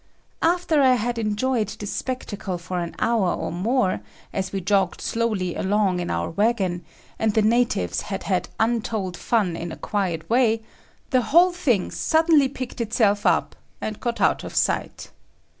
After I had enjoyed this spectacle for an hour or more, as we jogged slowly along in our wagon, and the natives had had untold fun in a quiet way, the whole thing suddenly picked itself up and got out of sight.